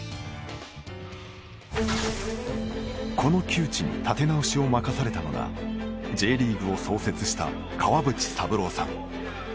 この窮地に立て直しを任されたのがＪリーグを創設した川淵三郎さん。